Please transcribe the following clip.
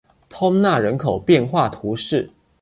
通讷人口变化图示